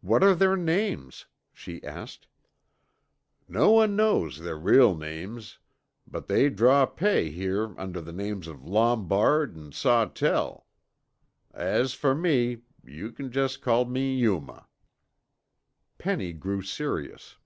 "What are their names?" she asked. "No one knows their real names, but they draw pay here under the names of Lombard an' Sawtell. As fer me, yuh c'n jest call me 'Yuma.'" Penny grew serious.